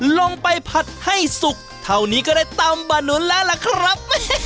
ลงไปผัดให้สุกเท่านี้ก็ได้ตำบะหนุนแล้วล่ะครับ